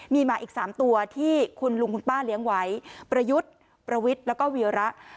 มีหมาอีก๓ตัวที่คุณลุงคุณป้าเลี้ยงไว้ประยุทธ์ประวิทย์แล้วก็วีระ